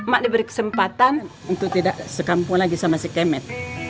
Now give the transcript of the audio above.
mak diberi kesempatan untuk tidak sekampung lagi sama si kemet